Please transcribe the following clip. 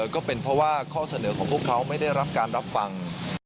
ก็เป็นเพราะว่าข้อเสนอของพวกเขาไม่ได้รับการรับฟัง